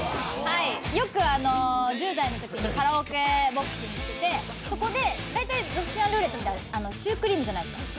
よく１０代のときにカラオケボックス行っててそこで大体ロシアンルーレットってシュークリームじゃないですか。